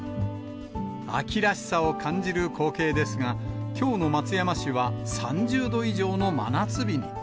秋らしさを感じる光景ですが、きょうの松山市は３０度以上の真夏日に。